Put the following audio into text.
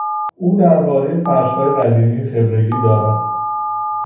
او دربارهی فرشهای قدیمی خبرگی دارد.